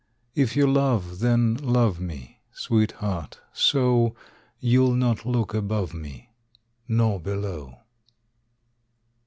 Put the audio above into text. If you love, then, love me, Sweetheart, so You'll not look above me, Nor below.